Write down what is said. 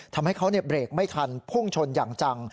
ทำให้เขาเบรกไม่ทันพุ่งชนอย่างจัง